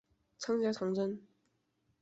参加长征。